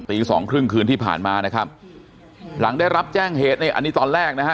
ตีสองครึ่งคืนที่ผ่านมานะครับหลังได้รับแจ้งเหตุในอันนี้ตอนแรกนะฮะ